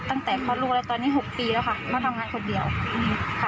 ตั้งแต่คลอดลูกแล้วตอนนี้หกปีแล้วค่ะมาทำงานคนเดียวอืมค่ะ